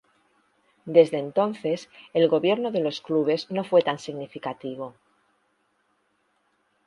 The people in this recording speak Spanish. Desde entonces, el gobierno de los dos clubes no fue tan significativo.